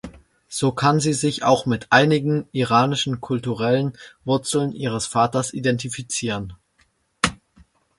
So kann sie sich auch mit einigen iranischen kulturellen Wurzeln ihres Vaters identifizieren.